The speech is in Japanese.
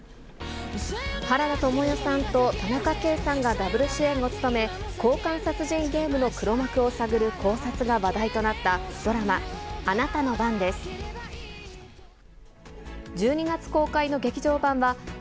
原田知世さんと田中圭さんがダブル主演を務め、交換殺人ゲームの黒幕を探る考察が話題となったドラマ、あなたの番です。